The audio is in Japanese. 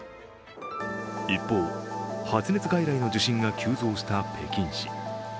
一方、発熱外来の受診が急増した北京市。